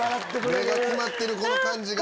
目がキマってるこの感じが。